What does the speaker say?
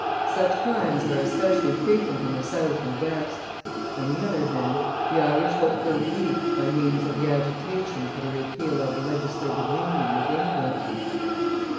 Such crimes are especially frequent in the South and West. On the other hand, the Irish hope for relief by means of the agitation for the repeal of the Legislative Union with England.